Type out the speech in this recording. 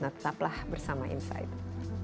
nah tetaplah bersama insight